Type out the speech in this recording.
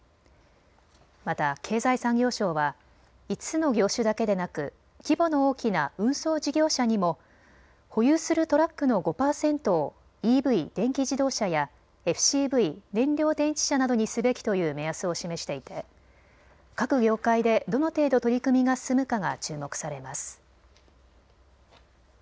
また経済産業省は５つの業種だけでなく規模の大きな運送事業者にも保有するトラックの５％をＥＶ・電気自動車やＦＣＶ・燃料電池車などにすべきという目安を示して各業界でどの程度、取り組みが進むかが注目されます。